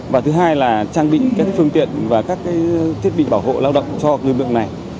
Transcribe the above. và thứ hai là trang bị các phương tiện và các thiết bị bảo hộ lao động cho lực lượng này